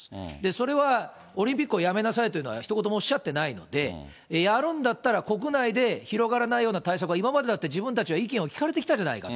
それは、オリンピックをやめなさいというのはひと言もおっしゃってないので、やるんだったら、国内で広がらないような対策は今までだって自分たちは意見を聞かれてきたじゃないか。